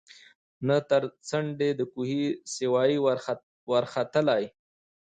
نه تر څنډی د کوهي سوای ورختلای